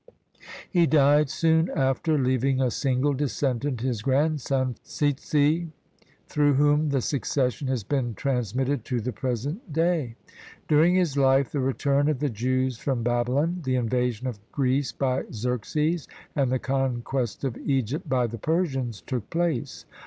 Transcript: He died soon after, leaving a single descendant, his grandson Tsz'sz', through whom the succession has been transmitted to the present day. During his life, the return of the Jews from Babylon, the invasion of Greece by Xerxes, and the conquest of Egypt by the Persians, took place.